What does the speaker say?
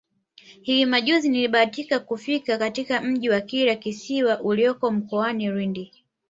Hivi majuzi nilibahatika kufika katika Mji wa Kilwa Kisiwani ulioko mkoani Lindi